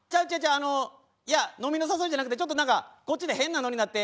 あのいや飲みの誘いじゃなくてちょっと何かこっちで変なノリになって。